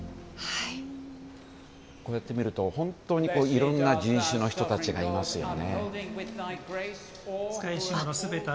こうやって見ると本当にいろんな人種の人たちがいますよね。